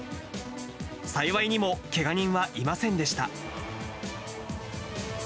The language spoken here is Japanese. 幸いにもけが人はいませんでした。